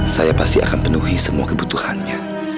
saya pasti akan penuhi semua kebutuhannya